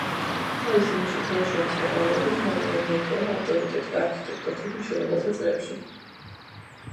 თავისი ნიჭითა და შრომისმოყვარეობით მალე მოიპოვა ავტორიტეტი არქიტექტორთა და მშენებელთა წრეებში.